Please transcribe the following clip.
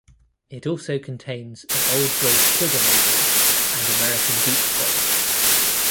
It also contains a old growth Sugar Maple and American Beech forest.